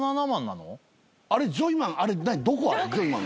どこあれジョイマンの。